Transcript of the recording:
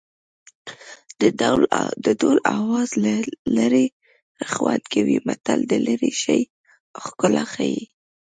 د ډول آواز له لرې ښه خوند کوي متل د لرې شي ښکلا ښيي